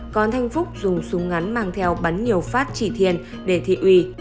còn thanh phúc dùng súng ngắn mang theo bắn nhiều phát chỉ thiên để thị uy